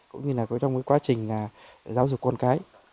cũng như là có trong cái quá trình là giáo dục con cái